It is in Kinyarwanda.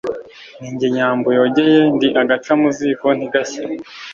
Ni jye Nyambo yogeye.. Ndi agaca mu ziko ntigashye,